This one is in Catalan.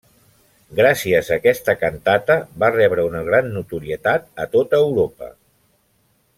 Gràcies a aquesta cantata va rebre una gran notorietat a tota Europa.